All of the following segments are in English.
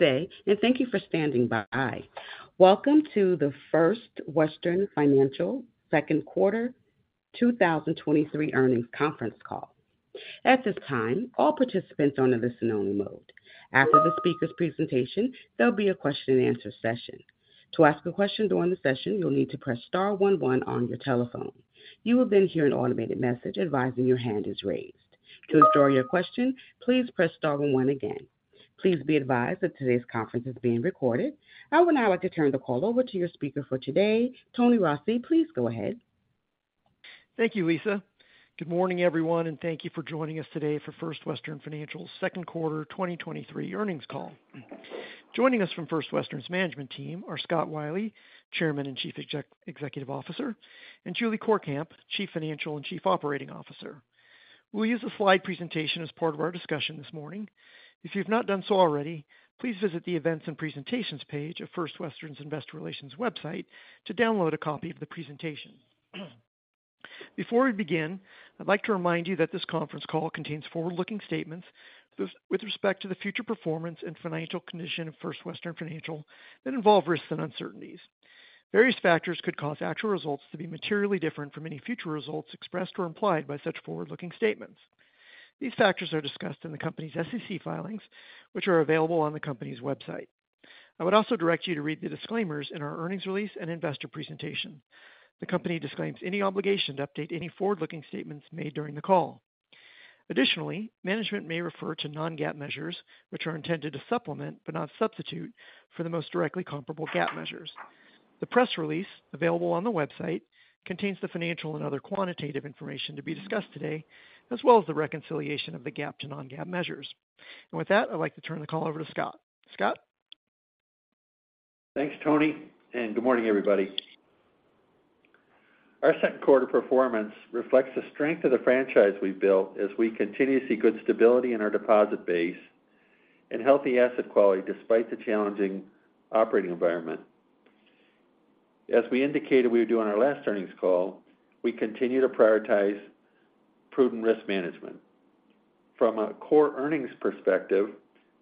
Good day, thank you for standing by. Welcome to the First Western Financial second quarter 2023 earnings conference call. At this time, all participants are on a listen-only mode. After the speaker's presentation, there'll be a question-and-answer session. To ask a question during the session, you'll need to press star one one on your telephone. You will hear an automated message advising your hand is raised. To withdraw your question, please press star one one again. Please be advised that today's conference is being recorded. I would now like to turn the call over to your speaker for today, Tony Rossi. Please go ahead. Thank you, Lisa. Good morning, everyone, and thank you for joining us today for First Western Financial's second quarter 2023 earnings call. Joining us from First Western's management team are Scott Wylie, Chairman and Chief Executive Officer, and, Chief Financial and Chief Operating Officer. We'll use a slide presentation as part of our discussion this morning. If you've not done so already, please visit the Events and Presentations page of First Western's Investor Relations website to download a copy of the presentation. Before we begin, I'd like to remind you that this conference call contains forward-looking statements with respect to the future performance and financial condition of First Western Financial that involve risks and uncertainties. Various factors could cause actual results to be materially different from any future results expressed or implied by such forward-looking statements. These factors are discussed in the company's SEC filings, which are available on the company's website. I would also direct you to read the disclaimers in our earnings release and investor presentation. The company disclaims any obligation to update any forward-looking statements made during the call. Management may refer to non-GAAP measures, which are intended to supplement, but not substitute, for the most directly comparable GAAP measures. The press release available on the website contains the financial and other quantitative information to be discussed today, as well as the reconciliation of the GAAP to non-GAAP measures. With that, I'd like to turn the call over to Scott. Scott? Thanks, Tony. Good morning, everybody. Our second quarter performance reflects the strength of the franchise we've built as we continue to see good stability in our deposit base and healthy asset quality, despite the challenging operating environment. As we indicated we would do on our last earnings call, we continue to prioritize prudent risk management. From a core earnings perspective,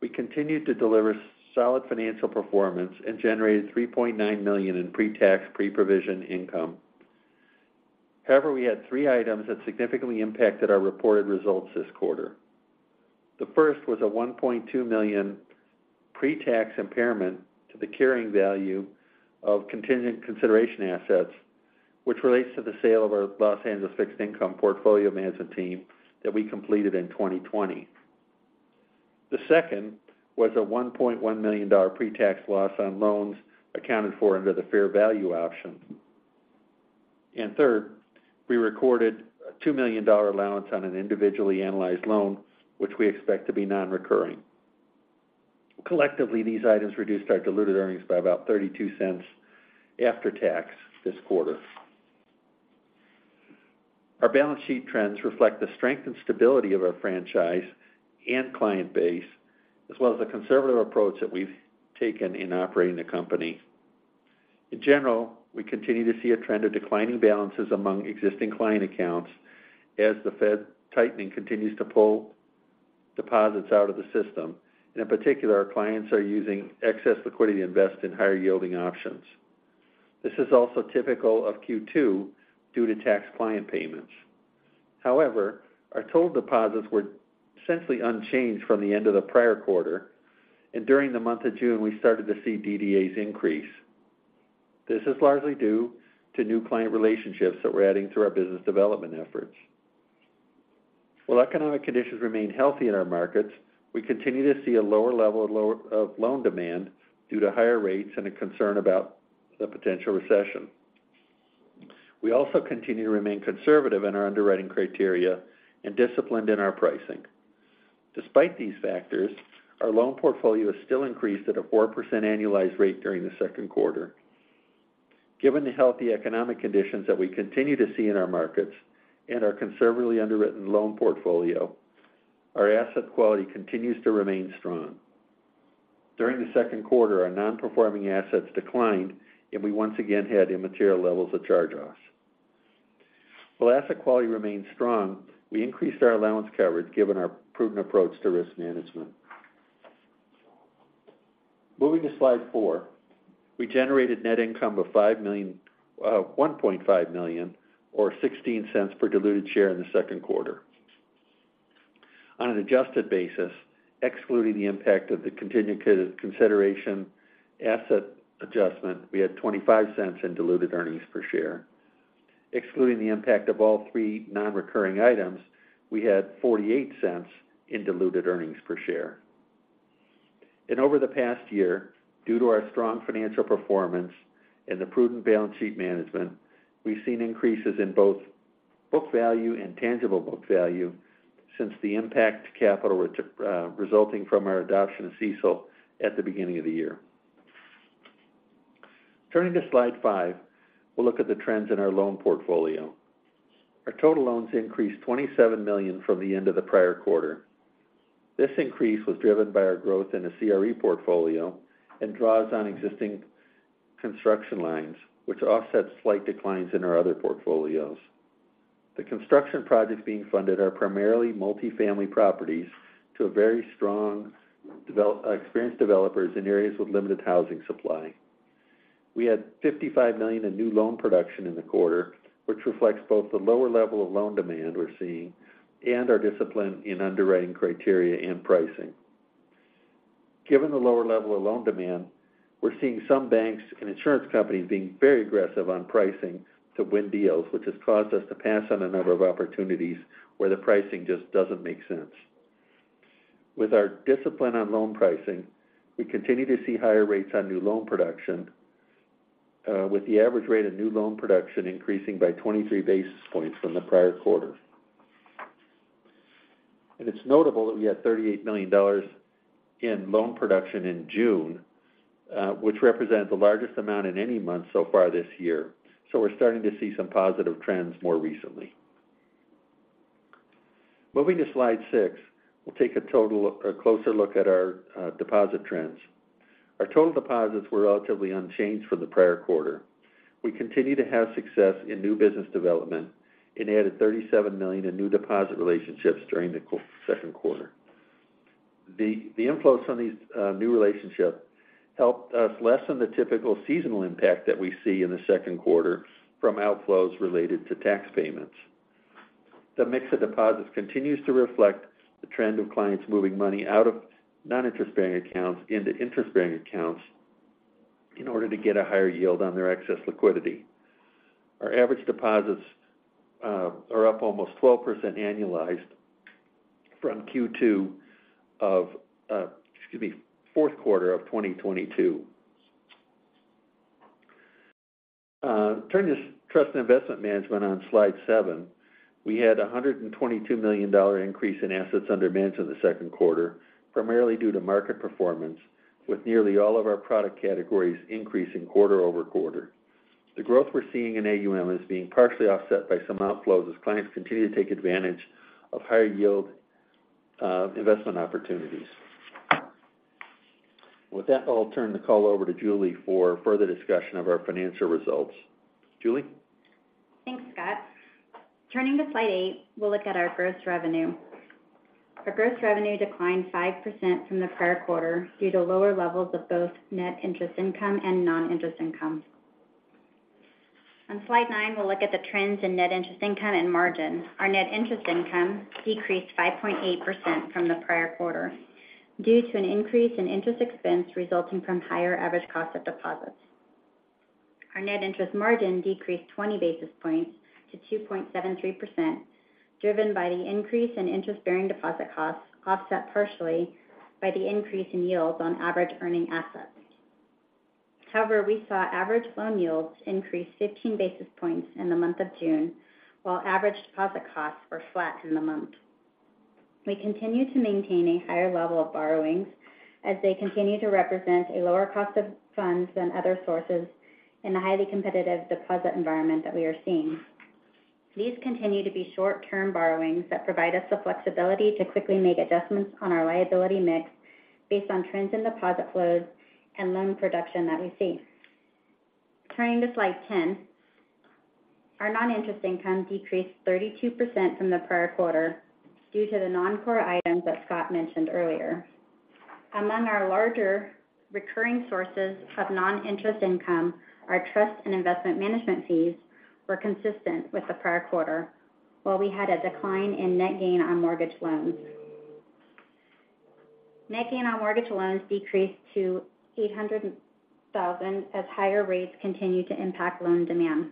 we continued to deliver solid financial performance and generated 3.9 million in pre-tax pre-provision income. However, we had three items that significantly impacted our reported results this quarter. The first was a 1.2 million pre-tax impairment to the carrying value of contingent consideration assets, which relates to the sale of our Los Angeles fixed income portfolio management team that we completed in 2020. The second was a $1.1 million pre-tax loss on loans accounted for under the fair value option. Third, we recorded a $2 million allowance on an individually analyzed loan, which we expect to be nonrecurring. Collectively, these items reduced our diluted earnings by about 0.32 after tax this quarter. Our balance sheet trends reflect the strength and stability of our franchise and client base, as well as the conservative approach that we've taken in operating the company. In general, we continue to see a trend of declining balances among existing client accounts as the Fed tightening continues to pull deposits out of the system. In particular, our clients are using excess liquidity to invest in higher-yielding options. This is also typical of Q2 due to tax client payments. However, our total deposits were essentially unchanged from the end of the prior quarter, and during the month of June, we started to see DDAs increase. This is largely due to new client relationships that we're adding through our business development efforts. While economic conditions remain healthy in our markets, we continue to see a lower level of loan demand due to higher rates and a concern about the potential recession. We also continue to remain conservative in our underwriting criteria and disciplined in our pricing. Despite these factors, our loan portfolio is still increased at a 4% annualized rate during the second quarter. Given the healthy economic conditions that we continue to see in our markets and our conservatively underwritten loan portfolio, our asset quality continues to remain strong. During the second quarter, our non-performing assets declined, and we once again had immaterial levels of charge-offs. While asset quality remains strong, we increased our allowance coverage given our prudent approach to risk management. Moving to slide four. We generated net income of 1.5 million, or 0.16 per diluted share in the second quarter. On an adjusted basis, excluding the impact of the contingent consideration asset adjustment, we had 0.25 in diluted earnings per share. Excluding the impact of all three non-recurring items, we had 0.48 in diluted earnings per share. Over the past year, due to our strong financial performance and the prudent balance sheet management, we've seen increases in both book value and tangible book value since the impact to capital resulting from our adoption of CECL at the beginning of the year. Turning to slide 5, we'll look at the trends in our loan portfolio. Our total loans increased 27 million from the end of the prior quarter. This increase was driven by our growth in the CRE portfolio and draws on existing construction lines, which offsets slight declines in our other portfolios. The construction projects being funded are primarily multifamily properties to a very strong develop, experienced developers in areas with limited housing supply. We had 55 million in new loan production in the quarter, which reflects both the lower level of loan demand we're seeing and our discipline in underwriting criteria and pricing. Given the lower level of loan demand, we're seeing some banks and insurance companies being very aggressive on pricing to win deals, which has caused us to pass on a number of opportunities where the pricing just doesn't make sense. With our discipline on loan pricing, we continue to see higher rates on new loan production, with the average rate of new loan production increasing by 23 basis points from the prior quarter. It's notable that we had $38 million in loan production in June, which represents the largest amount in any month so far this year. We're starting to see some positive trends more recently. Moving to Slide six, we'll take a total, a closer look at our deposit trends. Our total deposits were relatively unchanged from the prior quarter. We continue to have success in new business development and added 37 million in new deposit relationships during the second quarter. The inflows from these new relationships helped us lessen the typical seasonal impact that we see in the second quarter from outflows related to tax payments. The mix of deposits continues to reflect the trend of clients moving money out of non-interest-bearing accounts into interest-bearing accounts in order to get a higher yield on their excess liquidity. Our average deposits are up almost 12% annualized from Q2 of, excuse me, fourth quarter of 2022. Turning to trust and investment management on Slide 7, we had a $122 million increase in assets under management in the second quarter, primarily due to market performance, with nearly all of our product categories increasing quarter-over-quarter. The growth we're seeing in AUM is being partially offset by some outflows as clients continue to take advantage of higher yield investment opportunities. With that, I'll turn the call over to Julie for further discussion of their financial results. Julie? Thanks, Scott. Turning to Slide 8, we'll look at our gross revenue. Our gross revenue declined 5% from the prior quarter due to lower levels of both net interest income and non-interest income. On Slide 9, we'll look at the trends in net interest income and margin. Our net interest income decreased 5.8% from the prior quarter due to an increase in interest expense resulting from higher average cost of deposits. Our net interest margin decreased 20 basis points to 2.73%, driven by the increase in interest-bearing deposit costs, offset partially by the increase in yields on average earning assets. We saw average loan yields increase 15 basis points in the month of June, while average deposit costs were flat in the month. We continue to maintain a higher level of borrowings as they continue to represent a lower cost of funds than other sources in the highly competitive deposit environment that we are seeing. These continue to be short-term borrowings that provide us the flexibility to quickly make adjustments on our liability mix based on trends in deposit flows and loan production that we see. Turning to slide 10, our non-interest income decreased 32% from the prior quarter due to the non-core items that Scott mentioned earlier. Among our larger recurring sources of non-interest income, our trust and investment management fees were consistent with the prior quarter, while we had a decline in net gain on mortgage loans. Net gain on mortgage loans decreased to 800,000 as higher rates continued to impact loan demand.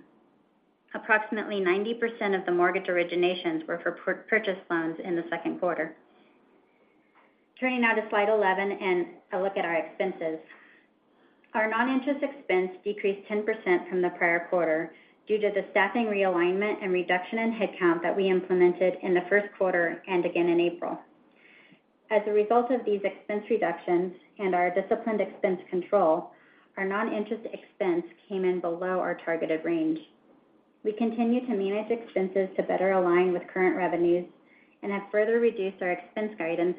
Approximately 90% of the mortgage originations were for purchase loans in the second quarter. Turning now to Slide 11, a look at our expenses. Our non-interest expense decreased 10% from the prior quarter due to the staffing realignment and reduction in headcount that we implemented in the first quarter and again in April. As a result of these expense reductions and our disciplined expense control, our non-interest expense came in below our targeted range. We continue to manage expenses to better align with current revenues and have further reduced our expense guidance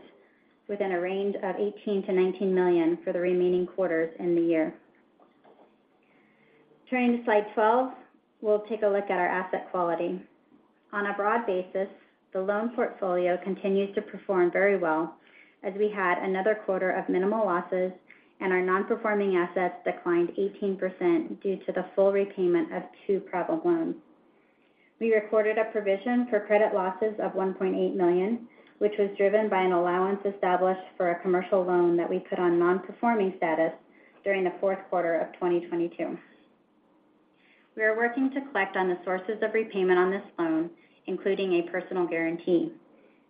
within a range of 18 million-19 million for the remaining quarters in the year. Turning to Slide 12, we'll take a look at our asset quality. On a broad basis, the loan portfolio continues to perform very well as we had another quarter of minimal losses and our non-performing assets declined 18% due to the full repayment of two problem loans. We recorded a provision for credit losses of1.8 million, which was driven by an allowance established for a commercial loan that we put on non-performing status during the fourth quarter of 2022. We are working to collect on the sources of repayment on this loan, including a personal guarantee.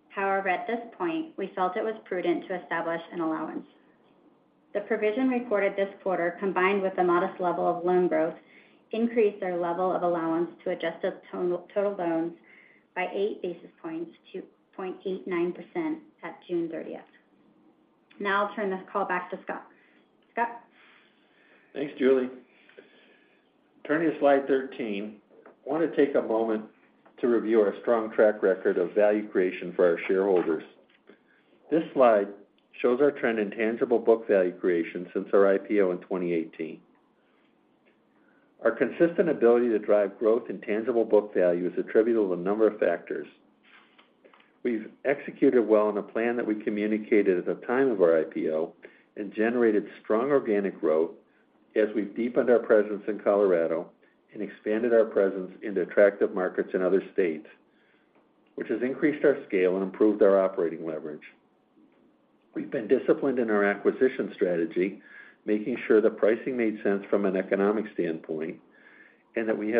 However, at this point, we felt it was prudent to establish an allowance. The provision recorded this quarter, combined with a modest level of loan growth, increased our level of allowance to adjusted total, total loans by eight basis points to 0.89% at June 30th. I'll turn this call back to Scott. Scott? Thanks, Julie. Turning to slide 13, I want to take a moment to review our strong track record of value creation for our shareholders. This slide shows our trend in tangible book value creation since our IPO in 2018. Our consistent ability to drive growth in tangible book value is attributable to a number of factors. We've executed well on a plan that we communicated at the time of our IPO and generated strong organic growth as we've deepened our presence in Colorado and expanded our presence into attractive markets in other states, which has increased our scale and improved our operating leverage. We've been disciplined in our acquisition strategy, making sure the pricing made sense from an economic standpoint, and that we've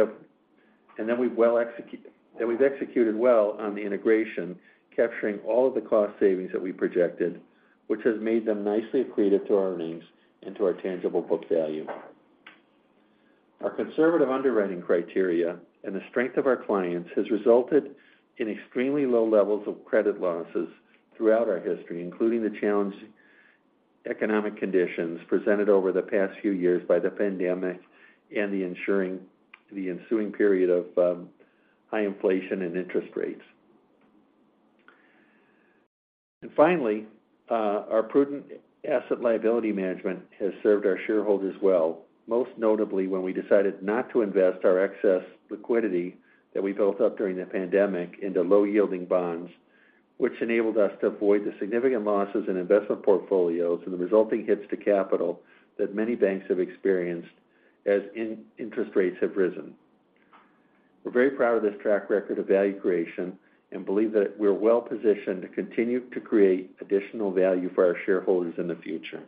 executed well on the integration, capturing all of the cost savings that we projected, which has made them nicely accretive to our earnings and to our tangible book value. Our conservative underwriting criteria and the strength of our clients has resulted in extremely low levels of credit losses throughout our history, including the challenged economic conditions presented over the past few years by the pandemic and the ensuing period of high inflation and interest rates. Finally, our prudent asset liability management has served our shareholders well, most notably when we decided not to invest our excess liquidity that we built up during the pandemic into low-yielding bonds, which enabled us to avoid the significant losses in investment portfolios and the resulting hits to capital that many banks have experienced as interest rates have risen. We're very proud of this track record of value creation, and believe that we're well positioned to continue to create additional value for our shareholders in the future.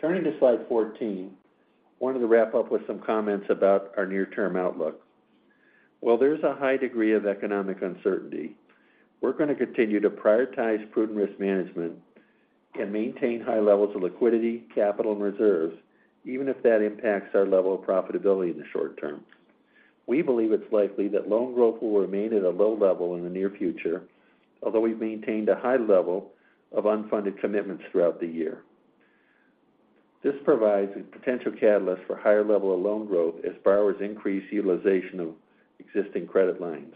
Turning to slide 14, wanted to wrap up with some comments about our near-term outlook. While there's a high degree of economic uncertainty, we're going to continue to prioritize prudent risk management and maintain high levels of liquidity, capital, and reserves, even if that impacts our level of profitability in the short term. We believe it's likely that loan growth will remain at a low level in the near future, although we've maintained a high level of unfunded commitments throughout the year. This provides a potential catalyst for higher level of loan growth as borrowers increase utilization of existing credit lines.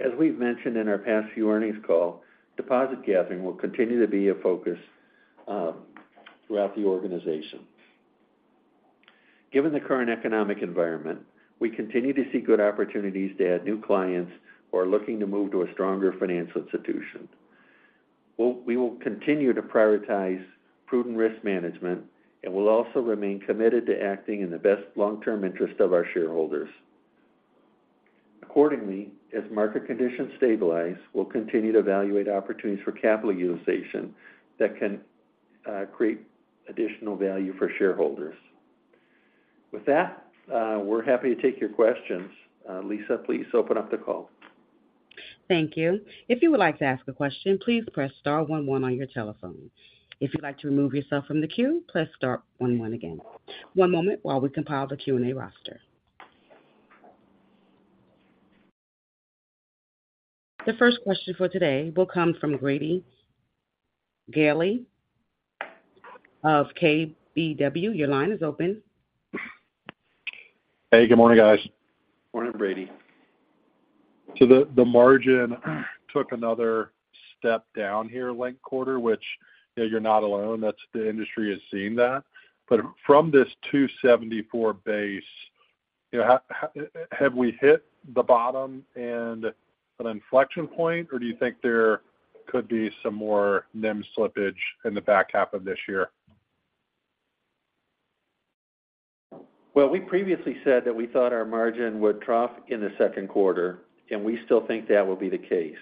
As we've mentioned in our past few earnings call, deposit gathering will continue to be a focus throughout the organization. Given the current economic environment, we continue to see good opportunities to add new clients who are looking to move to a stronger financial institution. We will continue to prioritize prudent risk management and will also remain committed to acting in the best long-term interest of our shareholders. Accordingly, as market conditions stabilize, we'll continue to evaluate opportunities for capital utilization that can create additional value for shareholders. With that, we're happy to take your questions. Lisa, please open up the call. Thank you. If you would like to ask a question, please press star one one on your telephone. If you'd like to remove yourself from the queue, press star one one again. One moment while we compile the Q&A roster. The first question for today will come from Grady Gailey of KBW. Your line is open. Hey, good morning, guys. Morning, Grady. The, the margin took another step down here linked quarter, which, you know, you're not alone. That's. The industry has seen that. From this 2.74% base, you know, how, how, have we hit the bottom and an inflection point, or do you think there could be some more NIM slippage in the back half of this year? Well, we previously said that we thought our margin would trough in the second quarter, and we still think that will be the case.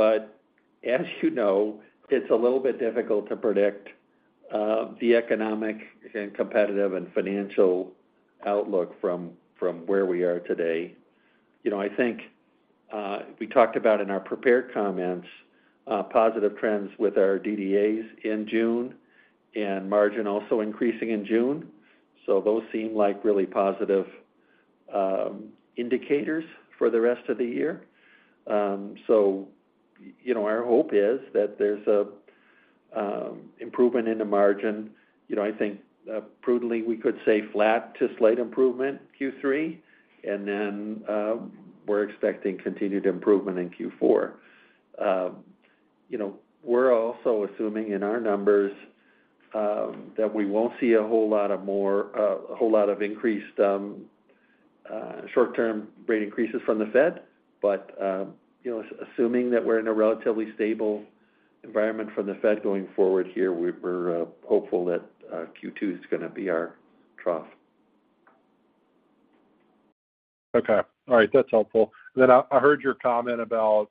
As you know, it's a little bit difficult to predict the economic and competitive and financial outlook from, from where we are today. You know, I think we talked about in our prepared comments, positive trends with our DDAs in June and margin also increasing in June. Those seem like really positive indicators for the rest of the year. You know, our hope is that there's an improvement in the margin. You know, I think prudently, we could say flat to slight improvement Q3, and then we're expecting continued improvement in Q4. You know, we're also assuming in our numbers that we won't see a whole lot of more, a whole lot of increased, short-term rate increases from the Fed. You know, assuming that we're in a relatively stable environment from the Fed going forward here, we're hopeful that Q2 is going to be our trough. Okay, all right. That's helpful. I, I heard your comment about,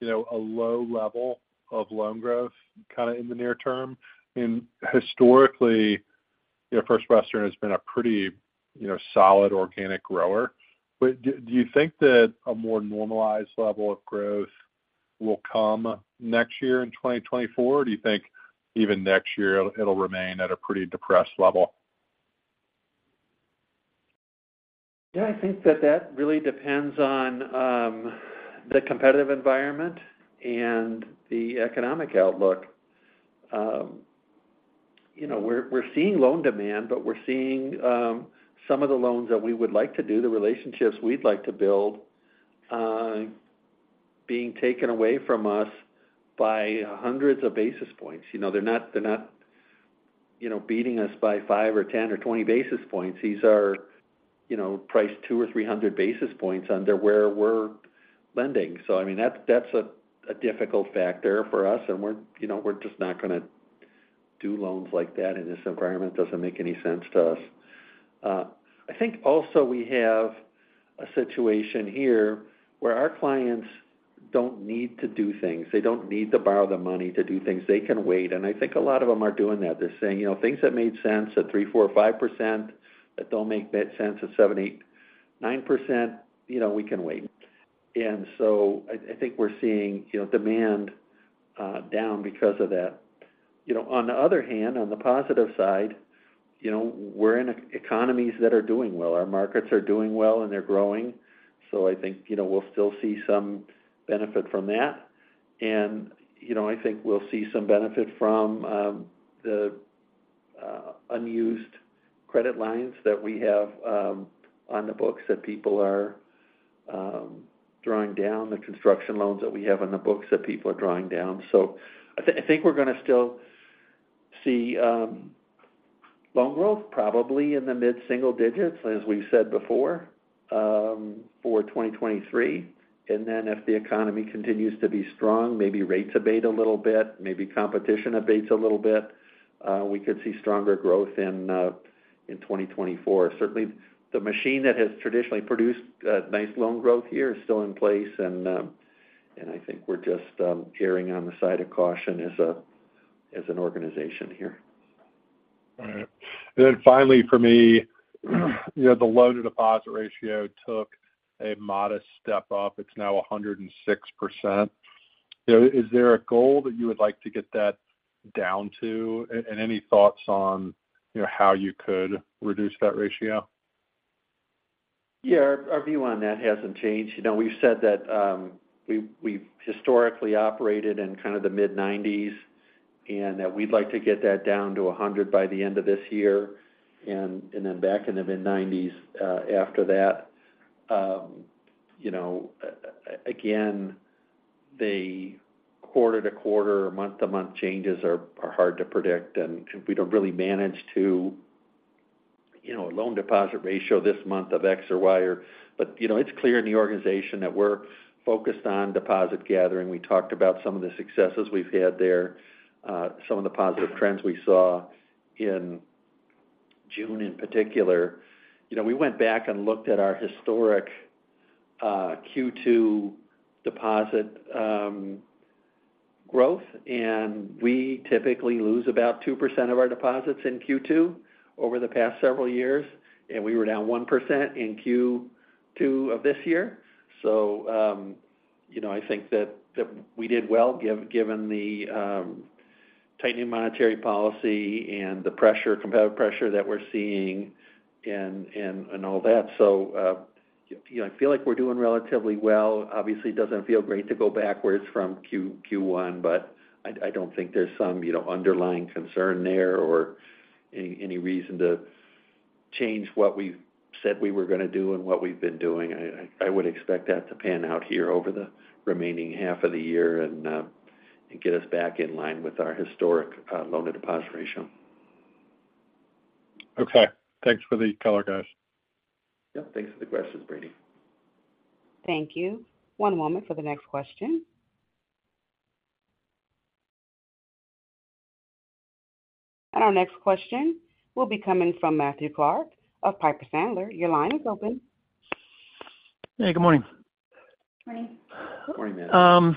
you know, a low level of loan growth kind of in the near term. Historically, you know, First Western has been a pretty, you know, solid organic grower. Do, do you think that a more normalized level of growth will come next year in 2024? Or do you think even next year it'll, it'll remain at a pretty depressed level? Yeah, I think that that really depends on the competitive environment and the economic outlook. You know, we're, we're seeing loan demand, but we're seeing some of the loans that we would like to do, the relationships we'd like to build, being taken away from us by hundreds of basis points. You know, they're not, they're not, you know, beating us by five or 10 or 20 basis points. These are, you know, priced 200 or 300 basis points under where we're lending. I mean, that's a difficult factor for us, and we're, you know, we're just not gonna do loans like that in this environment. Doesn't make any sense to us. I think also we have a situation here where our clients don't need to do things. They don't need to borrow the money to do things. They can wait, and I think a lot of them are doing that. They're saying, "You know, things that made sense at 3%, 4%, or 5%, that don't make that sense at 7%, 8%, 9%, you know, we can wait." I, I think we're seeing, you know, demand down because of that. You know, on the other hand, on the positive side, you know, we're in economies that are doing well. Our markets are doing well, and they're growing. I think, you know, we'll still see some benefit from that. You know, I think we'll see some benefit from the unused credit lines that we have on the books that people are drawing down, the construction loans that we have on the books that people are drawing down. I think we're gonna still see loan growth probably in the mid-single digits, as we've said before, for 2023. If the economy continues to be strong, maybe rates abate a little bit, maybe competition abates a little bit, we could see stronger growth in 2024. Certainly, the machine that has traditionally produced nice loan growth here is still in place, and I think we're just erring on the side of caution as an organization here. All right. Finally, for me, you know, the loan-to-deposit ratio took a modest step up. It's now 106%. You know, is there a goal that you would like to get that down to? Any thoughts on, you know, how you could reduce that ratio? Yeah. Our view on that hasn't changed. You know, we've said that, we've, we've historically operated in kind of the mid-nineties, and we'd like to get that down to 100 by the end of this year, and then back in the mid-nineties after that. You know, again, the quarter-to-quarter, month-to-month changes are hard to predict, and we don't really manage to, you know, a loan-to-deposit ratio this month of X or Y or... You know, it's clear in the organization that we're focused on deposit gathering. We talked about some of the successes we've had there, some of the positive trends we saw in June in particular. You know, we went back and looked at our historic Q2 deposit growth, and we typically lose about 2% of our deposits in Q2 over the past several years, and we were down 1% in Q2 of this year. You know, I think that, that we did well given the tightening monetary policy and the pressure, competitive pressure that we're seeing and, and, and all that. You know, I feel like we're doing relatively well. Obviously, it doesn't feel great to go backwards from Q1, but I, I don't think there's some, you know, underlying concern there or any, any reason to change what we've said we were gonna do and what we've been doing. I would expect that to pan out here over the remaining half of the year and get us back in line with our historic loan-to-deposit ratio. Okay. Thanks for the color, guys. Yep, thanks for the questions, Grady. Thank you. One moment for the next question. Our next question will be coming from Matthew Clark of Piper Sandler. Your line is open. Hey, good morning. Morning. Morning, Matt.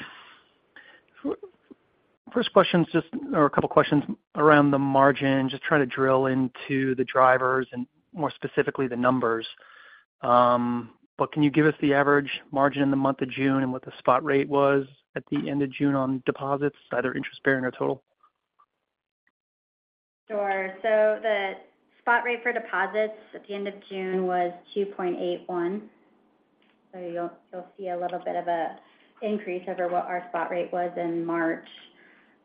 First question is just, or a couple questions around the margin. Just trying to drill into the drivers and more specifically, the numbers. Can you give us the average margin in the month of June and what the spot rate was at the end of June on deposits, either interest-bearing or total? Sure. The spot rate for deposits at the end of June was 2.81%. You'll, you'll see a little bit of a increase over what our spot rate was in March.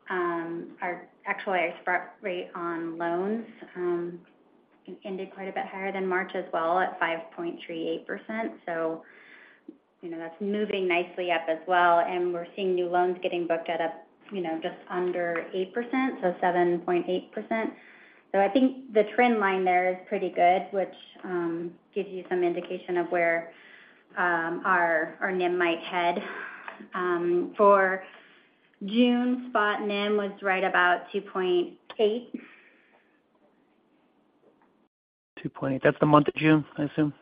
Our actually, our spot rate on loans ended quite a bit higher than March as well, at 5.38%. You know, that's moving nicely up as well, and we're seeing new loans getting booked at, you know, just under 8%, so 7.8%. I think the trend line there is pretty good, which gives you some indication of where our, our NIM might head. For June, spot NIM was right about 2.8%. 2.8. That's the month of June, I assume?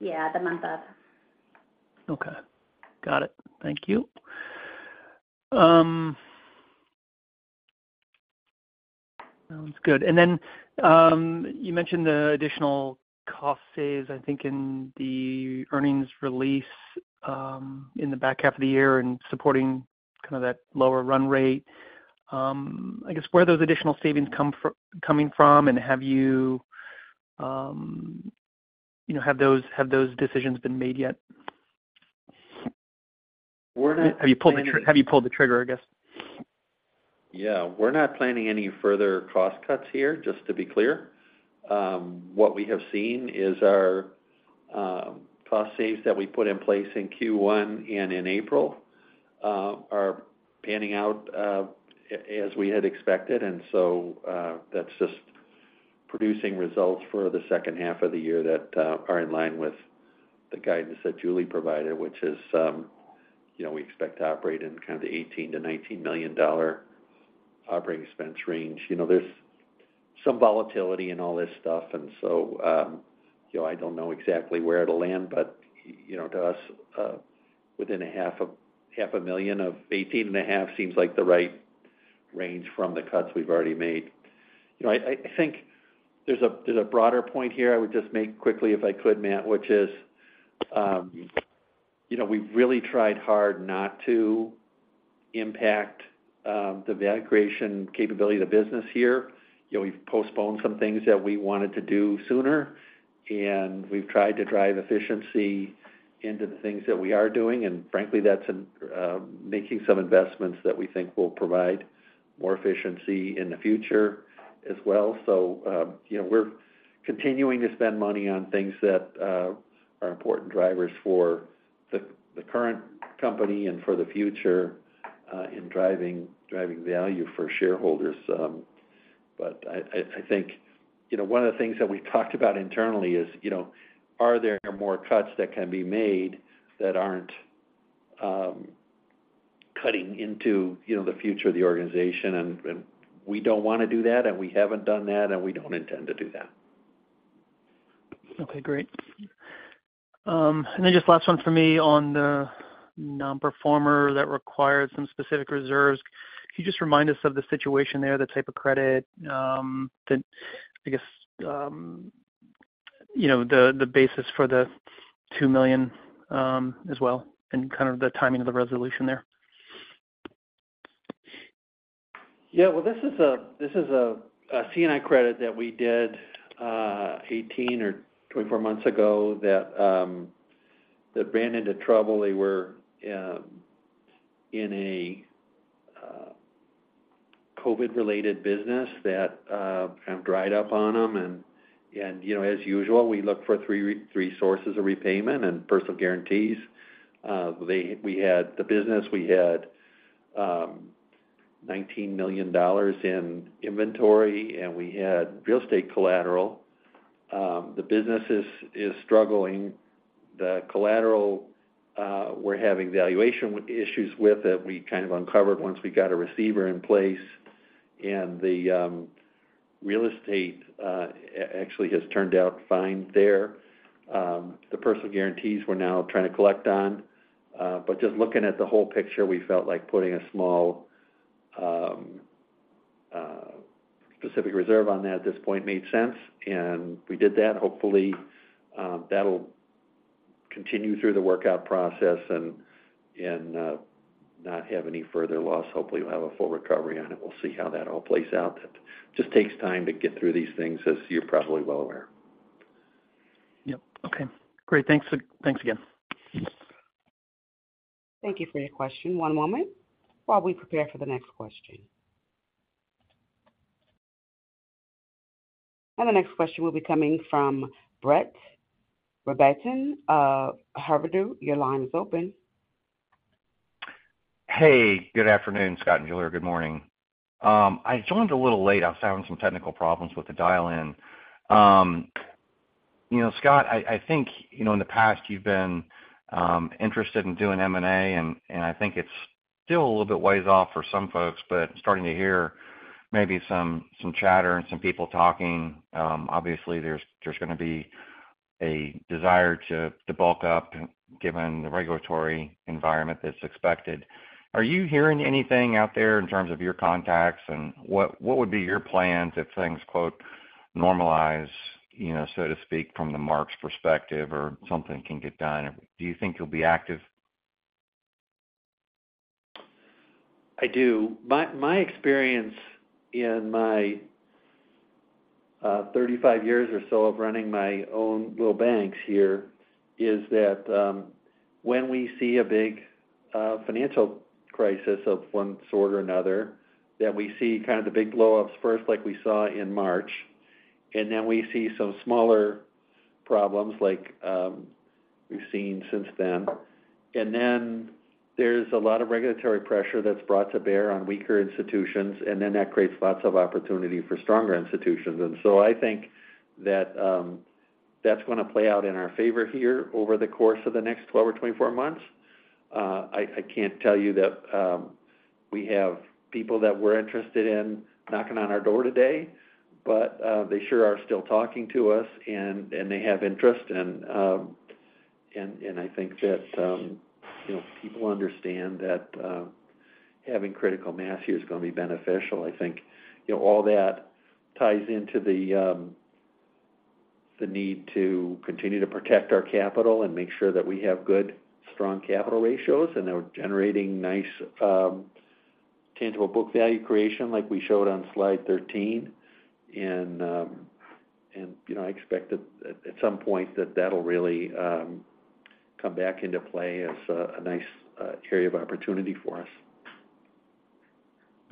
Yeah, the month of. Okay, got it. Thank you. Sounds good. You mentioned the additional cost saves, I think, in the earnings release, in the back half of the year and supporting kind of that lower run rate. I guess, where are those additional savings coming from, and have you, you know, have those, have those decisions been made yet? Have you pulled the, have you pulled the trigger, I guess? Yeah, we're not planning any further cost cuts here, just to be clear. What we have seen is our cost saves that we put in place in Q1 and in April are panning out as we had expected. That's just producing results for the second half of the year that are in line with the guidance that Julie provided, which is, you know, we expect to operate in kind of the $18 million-$19 million operating expense range. You know, there's some volatility in all this stuff, and so, you know, I don't know exactly where it'll land, but, you know, to us, within a 500,000 of 18.5 million seems like the right range from the cuts we've already made. You know, I, I think there's a, there's a broader point here I would just make quickly if I could, Matthew, which is, you know, we've really tried hard not to impact the value creation capability of the business here. You know, we've postponed some things that we wanted to do sooner, and we've tried to drive efficiency into the things that we are doing. Frankly, that's making some investments that we think will provide more efficiency in the future as well. You know, we're continuing to spend money on things that are important drivers for the current company and for the future in driving, driving value for shareholders. I, I, I think, you know, one of the things that we talked about internally is, you know, are there more cuts that can be made that aren't cutting into, you know, the future of the organization? We don't wanna do that, and we haven't done that, and we don't intend to do that. Okay, great. And then just last one for me on the nonperformer that required some specific reserves. Can you just remind us of the situation there, the type of credit, the, I guess, you know, the, the basis for the 2 million, as well, and kind of the timing of the resolution there? Yeah. Well, this is a, this is a, a C&I credit that we did 18 or 24 months ago that ran into trouble. They were in a COVID-related business that kind of dried up on them. You know, as usual, we look for three re- three sources of repayment and personal guarantees. We had the business, we had $19 million in inventory, and we had real estate collateral. The business is struggling. The collateral, we're having valuation w- issues with, that we kind of uncovered once we got a receiver in place. The real estate actually has turned out fine there. The personal guarantees we're now trying to collect on. Just looking at the whole picture, we felt like putting a small specific reserve on that at this point made sense, and we did that. Hopefully, that'll continue through the workout process and, and, not have any further loss. Hopefully, we'll have a full recovery on it. We'll see how that all plays out. It just takes time to get through these things, as you're probably well aware. Yep. Okay. Great. Thanks, thanks again. Thank you for your question. One moment while we prepare for the next question. The next question will be coming from Brett Rabatin, Hovde, your line is open. Hey, good afternoon, Scott and Julie. Good morning. I joined a little late. I was having some technical problems with the dial-in. You know, Scott, I, I think, you know, in the past you've been interested in doing M&A, and, and I think it's still a little bit ways off for some folks, but starting to hear maybe some, some chatter and some people talking. Obviously, there's, there's gonna be a desire to, to bulk up, given the regulatory environment that's expected. Are you hearing anything out there in terms of your contacts, and what, what would be your plans if things, quote, "normalize," you know, so to speak, from the marks perspective or something can get done? Do you think you'll be active? I do. My, my experience in my 35 years or so of running my own little banks here is that, when we see a big financial crisis of one sort or another, that we see kind of the big blowups first, like we saw in March, and then we see some smaller problems like we've seen since then. Then there's a lot of regulatory pressure that's brought to bear on weaker institutions, and then that creates lots of opportunity for stronger institutions. So I think that that's gonna play out in our favor here over the course of the next 12 or 24 months. I, I can't tell you that we have people that we're interested in knocking on our door today, but they sure are still talking to us, and they have interest. I think that, you know, people understand that having critical mass here is gonna be beneficial. I think, you know, all that ties into the need to continue to protect our capital and make sure that we have good, strong capital ratios, and that we're generating nice tangible book value creation like we showed on slide 13. You know, I expect that at, at some point, that that'll really come back into play as a nice area of opportunity for us.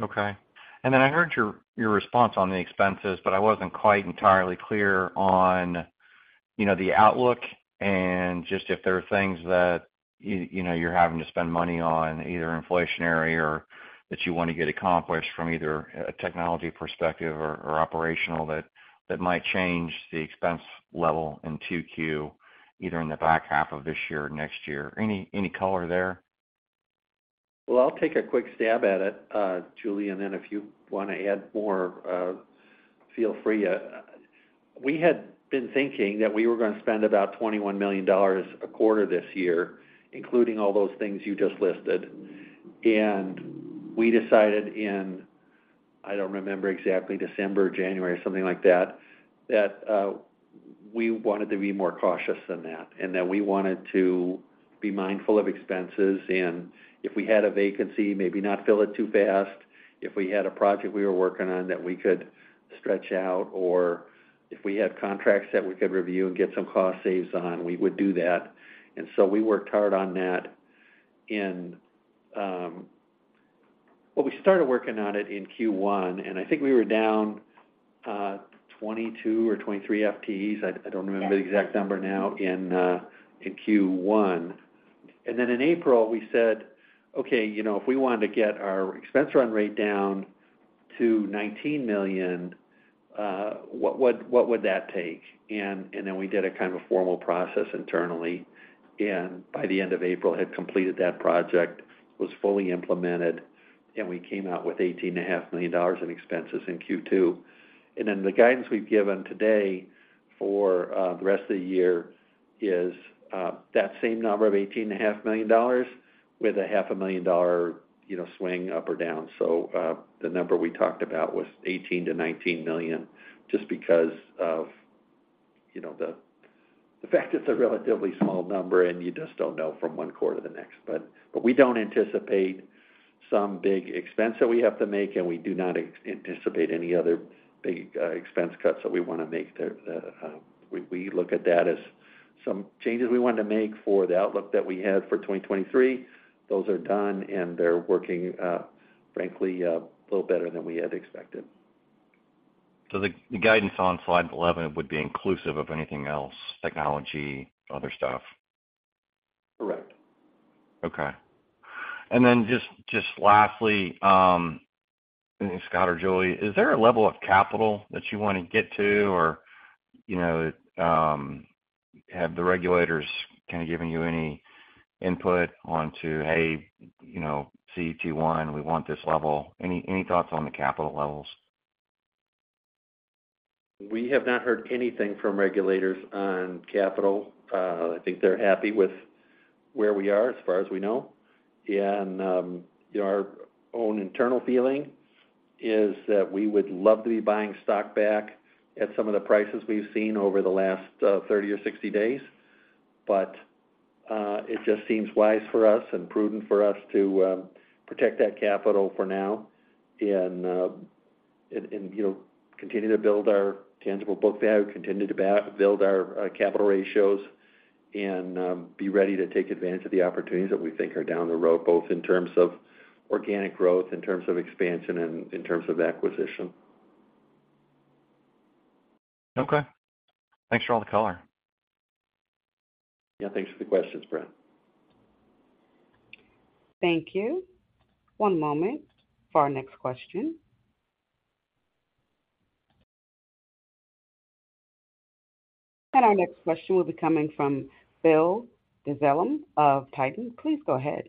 Okay. Then I heard your, your response on the expenses, but I wasn't quite entirely clear on, you know, the outlook and just if there are things that, you, you know, you're having to spend money on, either inflationary or that you want to get accomplished from either a, a technology perspective or, or operational, that, that might change the expense level in 2Q, either in the back half of this year or next year. Any, any color there? Well, I'll take a quick stab at it, Julie, and then if you want to add more, feel free. We had been thinking that we were gonna spend about $21 million a quarter this year, including all those things you just listed. We decided in, I don't remember exactly, December or January, or something like that, that we wanted to be more cautious than that, and that we wanted to be mindful of expenses. If we had a vacancy, maybe not fill it too fast. If we had a project we were working on, that we could stretch out, or if we had contracts that we could review and get some cost saves on, we would do that. We worked hard on that. Well, we started working on it in Q1, and I think we were down 22 or 23 FTE, I, I don't remember- Yes... the exact number now, in Q1. Then in April, we said, "Okay, you know, if we wanted to get our expense run rate down to $19 million, what would, what would that take?" Then we did a kind of formal process internally, and by the end of April, had completed that project, was fully implemented, and we came out with $18.5 million in expenses in Q2. Then the guidance we've given today for the rest of the year is that same number of $18.5 million, with a $500,000, you know, swing up or down. The number we talked about was 18 million-19 million just because of, you know, the, the fact it's a relatively small number, and you just don't know from 1 quarter the next. But we don't anticipate some big expense that we have to make, and we do not anticipate any other big expense cuts that we want to make. There, we look at that as some changes we wanted to make for the outlook that we had for 2023. Those are done, and they're working, frankly, a little better than we had expected. The, the guidance on slide 11 would be inclusive of anything else, technology, other stuff? Correct. Okay. Just, just lastly, Scott or Julie, is there a level of capital that you want to get to? Or, you know, have the regulators kind of given you any input onto, "Hey, you know, CET1, we want this level." Any, any thoughts on the capital levels? We have not heard anything from regulators on capital. I think they're happy with where we are, as far as we know. Our own internal feeling is that we would love to be buying stock back at some of the prices we've seen over the last, 30 or 60 days. It just seems wise for us and prudent for us to, protect that capital for now and, and, and, you know, continue to build our tangible book value, continue to build our, capital ratios, and, be ready to take advantage of the opportunities that we think are down the road, both in terms of organic growth, in terms of expansion, and in terms of acquisition. Okay. Thanks for all the color. Yeah. Thanks for the questions, Brett. Thank you. One moment for our next question. Our next question will be coming from William Dezellem of Tieton Capital Management. Please go ahead.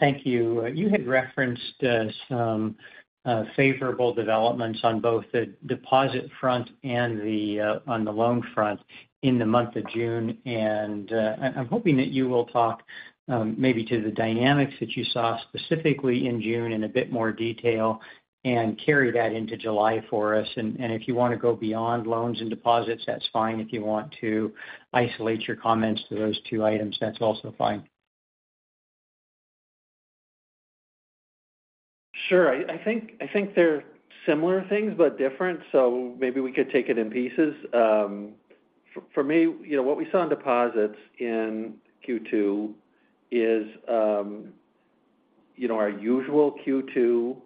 Thank you. You had referenced some favorable developments on both the deposit front and on the loan front in the month of June. I'm hoping that you will talk maybe to the dynamics that you saw, specifically in June, in a bit more detail and carry that into July for us. If you want to go beyond loans and deposits, that's fine. If you want to isolate your comments to those two items, that's also fine. Sure. I, I think, I think they're similar things, but different, so maybe we could take it in pieces. For, for me, you know, what we saw in deposits in Q2 is, you know, our usual Q2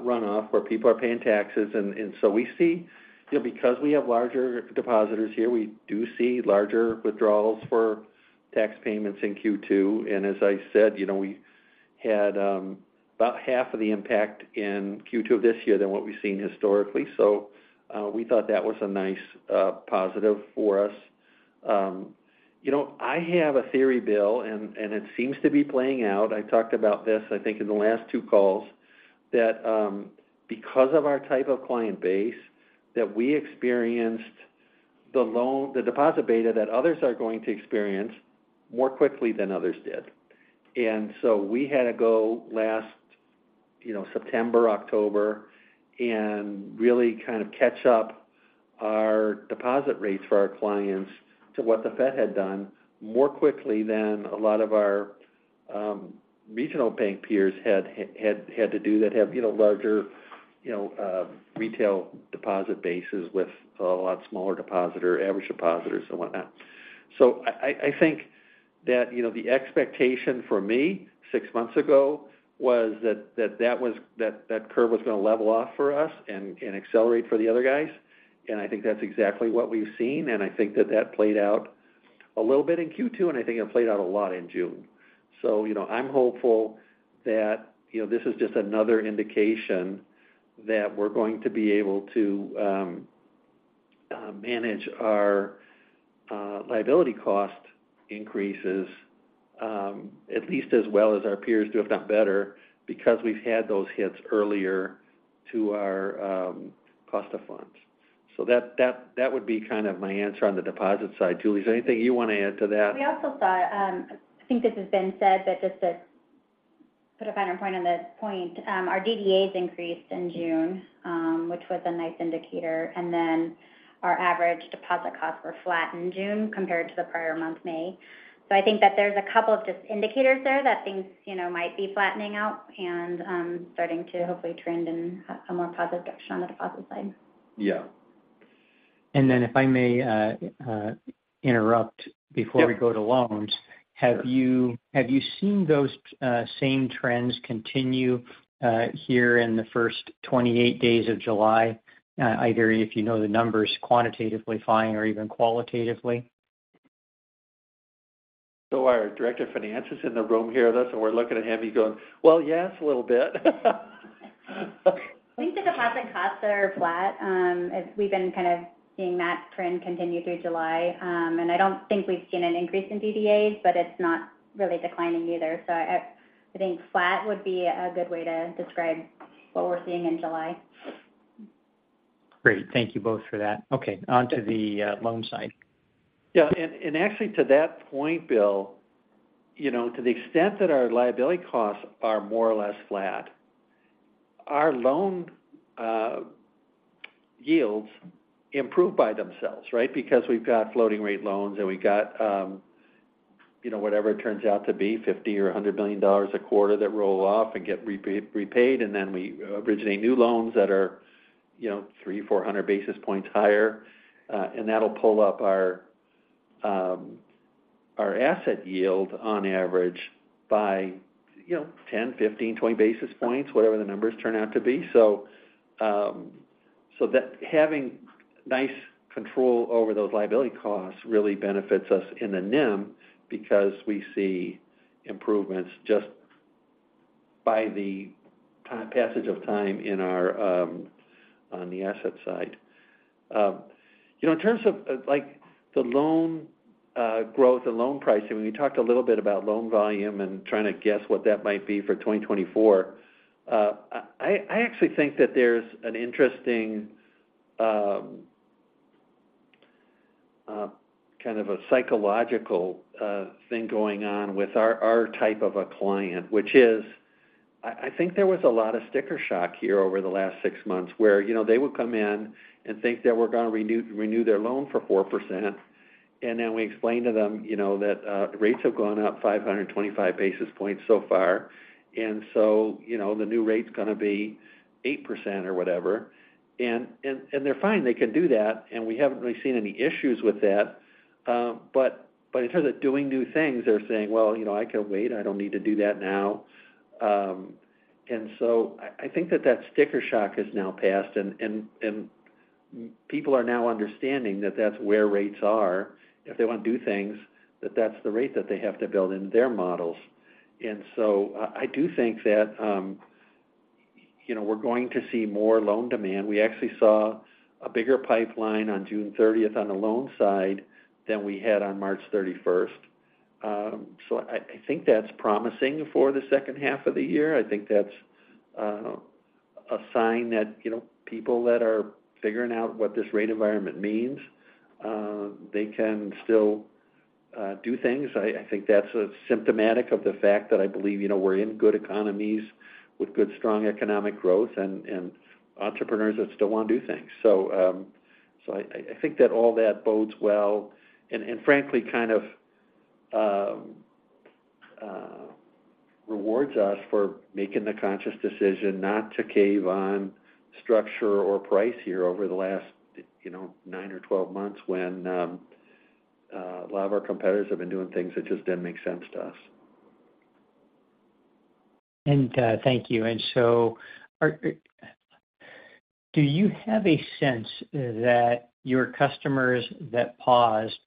run off, where people are paying taxes. So we see, you know, because we have larger depositors here, we do see larger withdrawals for tax payments in Q2. As I said, you know, we had about half of the impact in Q2 of this year than what we've seen historically, so we thought that was a nice positive for us. You know, I have a theory, Bill, and, and it seems to be playing out. I talked about this, I think, in the last two calls, that, because of our type of client base, that we experienced the deposit beta that others are going to experience more quickly than others did. We had to go last, you know, September, October, and really kind of catch up our deposit rates for our clients to what the Fed had done more quickly than a lot of our regional bank peers had to do that have, you know, larger, you know, retail deposit bases with a lot smaller depositor, average depositors and whatnot. I, I think that, you know, the expectation for me 6 months ago was that, that curve was going to level off for us and accelerate for the other guys. I think that's exactly what we've seen, and I think that that played out a little bit in Q2, and I think it played out a lot in June. You know, I'm hopeful that, you know, this is just another indication that we're going to be able to manage our liability cost increases, at least as well as our peers do, if not better, because we've had those hits earlier to our cost of funds. That, that, that would be kind of my answer on the deposit side. Julie, is there anything you want to add to that? We also saw, I think this has been said, but just to put a finer point on this point, our DDA increased in June, which was a nice indicator, and then our average deposit costs were flat in June compared to the prior month, May. I think that there's a couple of just indicators there that things, you know, might be flattening out and starting to hopefully trend in a more positive direction on the deposit side. Yeah. If I may, interrupt- Yep. before we go to loans. Sure. Have you, have you seen those same trends continue here in the first 28 days of July? Either if you know the numbers quantitatively fine or even qualitatively? Our Director of Finance is in the room here with us, and we're looking at him. He goes, "Well, yes, a little bit. I think the deposit costs are flat. As we've been kind of seeing that trend continue through July. I don't think we've seen an increase in DDA, but it's not really declining either. I, I think flat would be a good way to describe what we're seeing in July. Great. Thank you both for that. Okay, on to the loan side. Yeah, and actually, to that point, Bill, you know, to the extent that our liability costs are more or less flat, our loan yields improve by themselves, right? Because we've got floating rate loans and we've got, you know, whatever it turns out to be, $50 million or $100 million a quarter, that roll off and get repaid, and then we originate new loans that are, you know, 300-400 basis points higher. That'll pull up our asset yield on average by, you know, 10, 15, 20 basis points, whatever the numbers turn out to be. That having nice control over those liability costs really benefits us in the NIM because we see improvements just by the time, passage of time in our, on the asset side. You know, in terms of, like, the loan, growth and loan pricing, when you talked a little bit about loan volume and trying to guess what that might be for 2024, I actually think that there's an interesting, kind of a psychological, thing going on with our, our type of a client, which is, I think there was a lot of sticker shock here over the last six months, where, you know, they would come in and think that we're gonna renew, renew their loan for 4%. Then we explain to them, you know, that rates have gone up 525 basis points so far. So, you know, the new rate's gonna be 8% or whatever, and they're fine. They can do that, and we haven't really seen any issues with that. But in terms of doing new things, they're saying: Well, you know, I can wait. I don't need to do that now. I, I think that, that sticker shock has now passed, and people are now understanding that that's where rates are, if they want to do things, that that's the rate that they have to build in their models. I, I do think that, you know, we're going to see more loan demand. We actually saw a bigger pipeline on June 30th on the loan side than we had on March 31st. I, I think that's promising for the second half of the year. I think that's a sign that, you know, people that are figuring out what this rate environment means, they can still do things. I, I think that's a symptomatic of the fact that I believe, you know, we're in good economies with good, strong economic growth and, and entrepreneurs that still want to do things. I, I think that all that bodes well and, and frankly, kind of, rewards us for making the conscious decision not to cave on structure or price here over the last, you know, nine or twelve months, when, a lot of our competitors have been doing things that just didn't make sense to us. Thank you. Do you have a sense that your customers that paused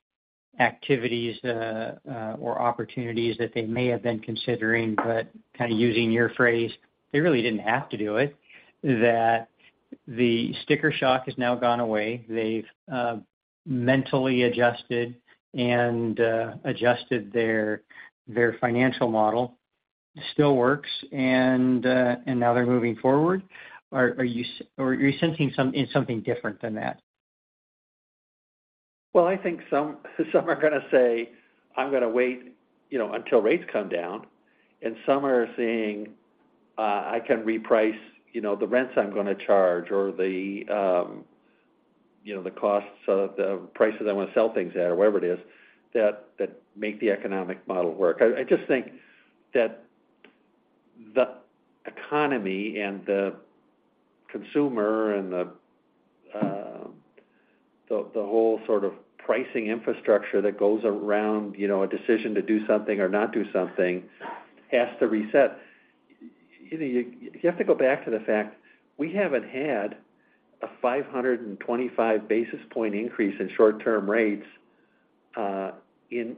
activities, or opportunities that they may have been considering, but kind of using your phrase, they really didn't have to do it, that the sticker shock has now gone away, they've mentally adjusted and adjusted their, their financial model, still works, and now they're moving forward? Are you sensing something different than that? Well, I think some, some are going to say, I'm going to wait, you know, until rates come down, and some are saying, I can reprice, you know, the rents I'm gonna charge or the, you know, the costs of the prices I want to sell things at or whatever it is that, that make the economic model work. I, I just think that the economy and the consumer and the, the, the whole sort of pricing infrastructure that goes around, you know, a decision to do something or not do something has to reset. You know, you, you have to go back to the fact we haven't had a 525 basis point increase in short-term rates, in,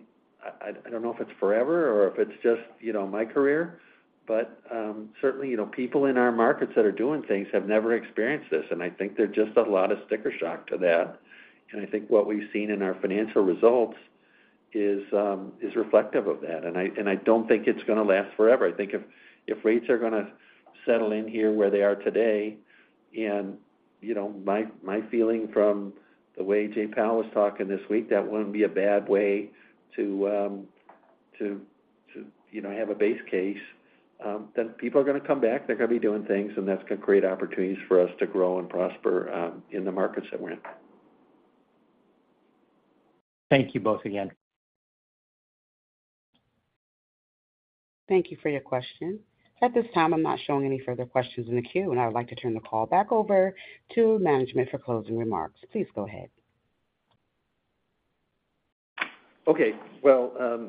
I don't know if it's forever or if it's just, you know, my career, but, certainly, you know, people in our markets that are doing things have never experienced this. I think there's just a lot of sticker shock to that. I think what we've seen in our financial results is reflective of that. I don't think it's gonna last forever. I think if rates are gonna settle in here where they are today, and, you know, my feeling from the way Jerome Powell is talking this week, that wouldn't be a bad way to, you know, have a base case. People are gonna come back, they're gonna be doing things, and that's gonna create opportunities for us to grow and prosper in the markets that we're in. Thank you both again. Thank you for your question. At this time, I'm not showing any further questions in the queue. I would like to turn the call back over to management for closing remarks. Please go ahead. Okay. Well,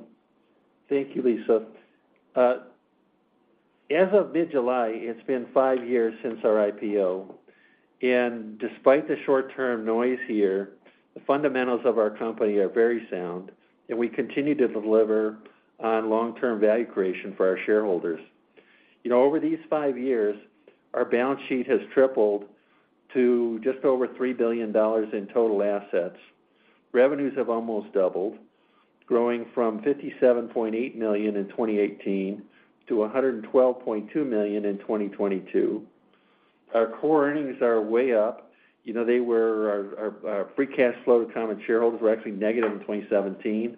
thank you, Lisa. As of mid-July, it's been 5 years since our IPO, and despite the short-term noise here, the fundamentals of our company are very sound, and we continue to deliver on long-term value creation for our shareholders. You know, over these 5 years, our balance sheet has tripled to just over $3 billion in total assets. Revenues have almost doubled, growing from 57.8 million in 2018 to 112.2 million in 2022. Our core earnings are way up. You know, our, our, our free cash flow to common shareholders were actually negative in 2017,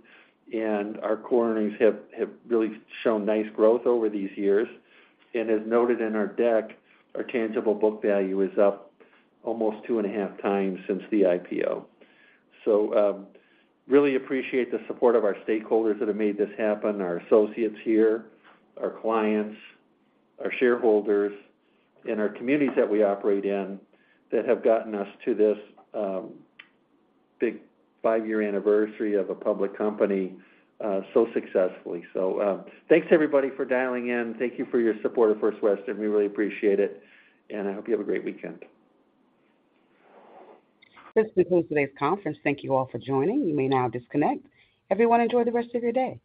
and our core earnings have, have really shown nice growth over these years. And as noted in our deck, our tangible book value is up almost 2.5 times since the IPO. Really appreciate the support of our stakeholders that have made this happen, our associates here, our clients, our shareholders, and our communities that we operate in that have gotten us to this big five-year anniversary of a public company so successfully. Thanks, everybody, for dialing in. Thank you for your support of First Western. We really appreciate it, and I hope you have a great weekend. This concludes today's conference. Thank you all for joining. You may now disconnect. Everyone, enjoy the rest of your day.